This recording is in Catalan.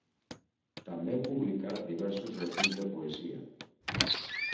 També publicà diversos reculls de poesia.